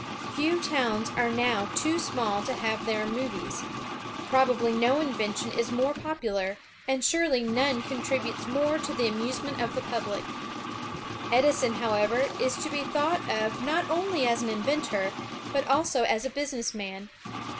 Few towns are now too small to have their *^ movies." Probably no invention is more popular, and surely none contributes more to the amusement of the public. Edison, however, is to be thought of not only as an inventor, but also as a business man.